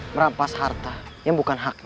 merampas harta yang bukan hak